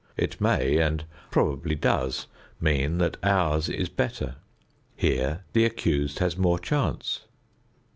It may and probably does mean that ours is better. Here the accused has more chance.